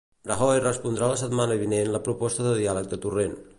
Rajoy respondrà la setmana vinent la proposta de diàleg de Torrent.